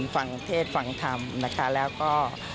ฟังเทศฟังธรรมนะคะแล้วก็